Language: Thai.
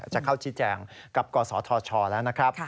จะเข้าชี้แจงกับกศธชแล้วนะครับ